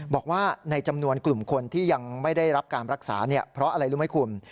บอกว่าในจำนวนกลุ่มคนที่ยังไม่ได้รับการรักษาเพราะอะไรรู้ไหมคุณ